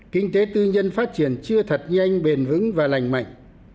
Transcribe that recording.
kinh tế tư nhân phát triển chưa thật nhanh bền vững và lành mạnh